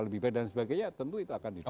lebih baik dan sebagainya tentu itu akan dibahas